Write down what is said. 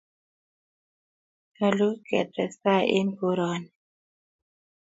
nyoluu ketestai eng koroni